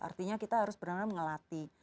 artinya kita harus benar benar ngelatih